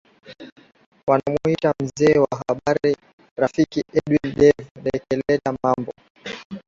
wanamuita mzee wa habari rafiki edwin dave ndekeleta mambo